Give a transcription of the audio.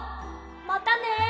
またね！